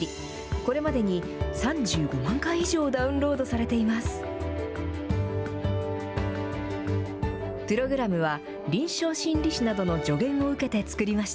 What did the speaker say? これまでに３５万回以上ダウンロードされています。